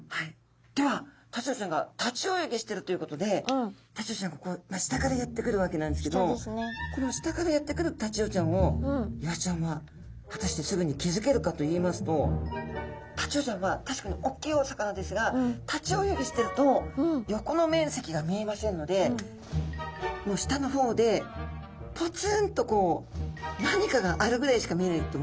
ではタチウオちゃんが立ち泳ぎしてるということでタチウオちゃん下からやって来るわけなんですけどこの下からやって来るタチウオちゃんをイワシちゃんは果たしてすぐに気付けるかといいますとタチウオちゃんは確かにおっきいお魚ですが立ち泳ぎしてると横の面積が見えませんのでもう下の方でぽつんとこう何かがあるぐらいしか見えないと思うんですね。